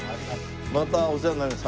またお世話になります。